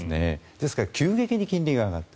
ですから急激に金利が上がった。